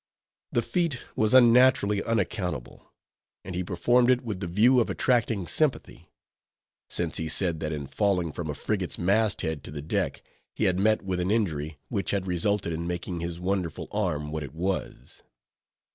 The feat was unnaturally unaccountable; and he performed it with the view of attracting sympathy; since he said that in falling from a frigate's mast head to the deck, he had met with an injury, which had resulted in making his wonderful arm what it was.